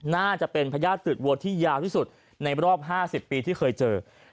น่าจะเป็นพญาติตืดวัวที่ยาวที่สุดในรอบ๕๐ปีที่เคยเจอ